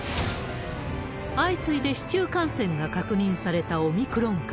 相次いで市中感染が確認されたオミクロン株。